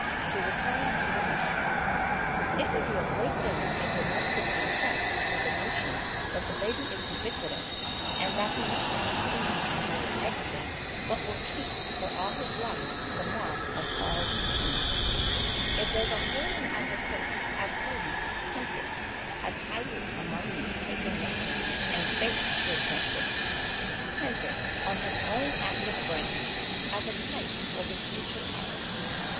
To return to the nursery. It would be a great thing if the nurse could be impressed with the notion that the baby is ubiqui tous, and that he not only sees and knows everything, but will keep, for all his life, the mark of all he sees: " If there's a hole in a' your coats, I pray ye, tent it ; A chiel's amang ye takin' notes, And, faith, he'll prent it" :' prent it ' on his own active brain, as a type for his future habits.